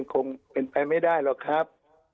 คงเป็นไปไม่ได้หรอกครับ